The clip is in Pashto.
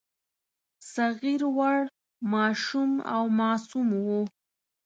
صغیر وړ، ماشوم او معصوم وو.